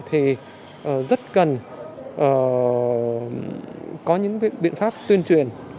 thì rất cần có những biện pháp tuyên truyền